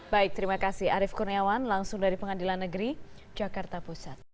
baik terima kasih arief kurniawan langsung dari pengadilan negeri jakarta pusat